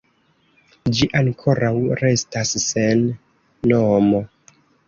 Ĝi ankoraŭ restas sen nomo.